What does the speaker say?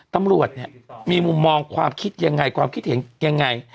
ตำรวจเนี่ยมีมุมมองความคิดยังไงความคิดเห็นยังไง